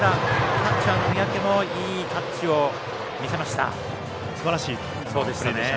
キャッチャーの三宅もいいタッチを見せました。